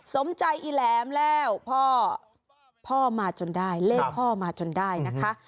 สมใจอีแหลมแล้วพ่อพ่อมาจนได้เลขพ่อมาจนได้นะคะ